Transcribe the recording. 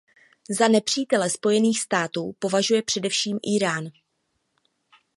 Za nepřítele Spojených států považuje především Írán.